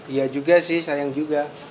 iya juga sih sayang juga